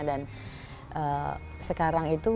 dan sekarang itu